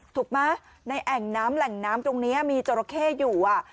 ถูกไหมในแอ่งน้ำแหล่งน้ำตรงนี้มีจราเข้อยู่